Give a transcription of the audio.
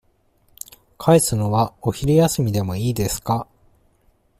返すのは、お昼休みでもいいですか。